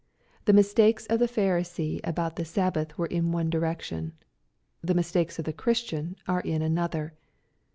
The mistakes of the Pharisee about the Sabbath were in one direction. The mistakes of the Christian are in another.